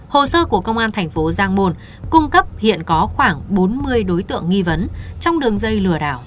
hồ sơ của công an thành phố giang môn cung cấp hiện có khoảng bốn mươi đối tượng nghi vấn trong đường dây lừa đảo